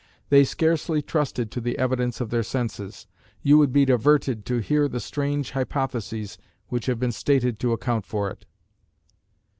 They scarcely trusted to the evidence of their senses. You would be diverted to hear the strange hypotheses which have been stated to account for it.